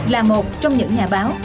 là một trong những nhà báo